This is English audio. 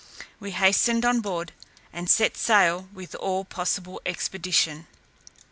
We hastened on board, and set sail with all possible expedition.